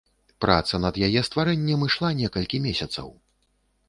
Праца над яе стварэннем ішла некалькі месяцаў.